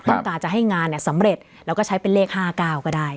ต้องการจะให้งานสำเร็จแล้วก็ใช้เป็นเลข๕๙ก็ได้